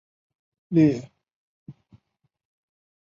列子故里位于河南郑州市东区的圃田一带。